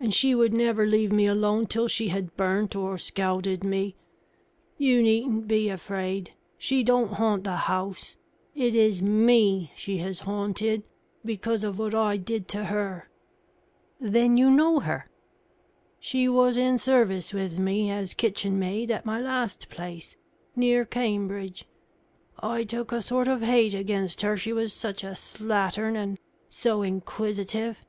And she would never leave me alone till she had burnt or scalded me. You needn't be afraid she don't haunt the house. It is me she has haunted, because of what I did to her." "Then you know her?" "She was in service with me, as kitchenmaid, at my last place, near Cambridge. I took a sort of hate against her, she was such a slattern and so inquisitive.